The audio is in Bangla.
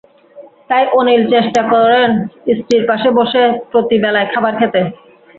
তাই অনিল চেষ্টা করেন স্ত্রীর পাশে বসে প্রতি বেলার খাবার খেতে।